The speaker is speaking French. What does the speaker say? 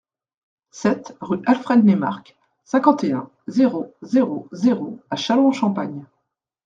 sept rue Alfred Neymarck, cinquante et un, zéro zéro zéro à Châlons-en-Champagne